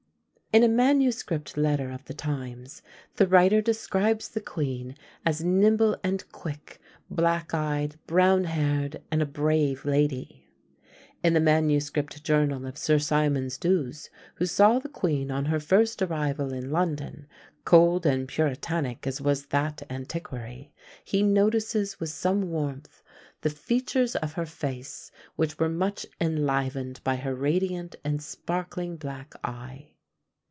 In a MS. letter of the times, the writer describes the queen as "nimble and quick, black eyed, brown haired, and a brave lady." In the MS. journal of Sir Symonds D'Ewes, who saw the queen on her first arrival in London, cold and puritanic as was that antiquary, he notices with some warmth "the features of her face, which were much enlivened by her radiant and sparkling black eye."